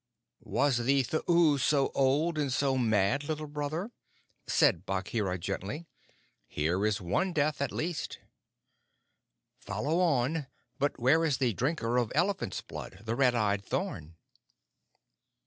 "Was the Thuu so old and so mad, Little Brother?" said Bagheera gently. "Here is one death, at least." "Follow on. But where is the drinker of elephant's blood the red eyed thorn?"